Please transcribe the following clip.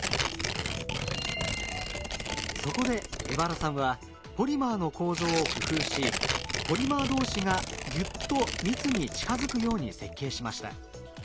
そこで荏原さんはポリマーの構造を工夫しポリマー同士がぎゅっと密に近づくように設計しました。